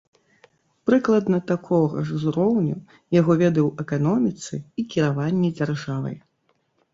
Прыкладна такога ж узроўню яго веды ў эканоміцы і кіраванні дзяржавай.